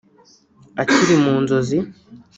akiri mu nzozi